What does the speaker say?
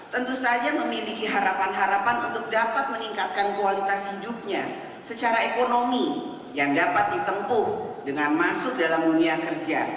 tentu saja memiliki harapan harapan untuk dapat meningkatkan kualitas hidupnya secara ekonomi yang dapat ditempuh dengan masuk dalam dunia kerja